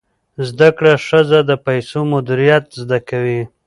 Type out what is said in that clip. زده کړه ښځه د پیسو مدیریت زده کوي.